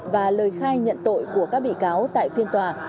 và lời khai nhận tội của các bị cáo tại phiên tòa